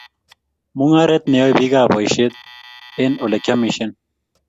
mungaret neyoe biikap boishet eng olegiamishen